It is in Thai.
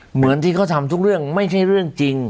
เหมือนที่เขาทำทุกเรื่องไม่ใช่เรื่องจริง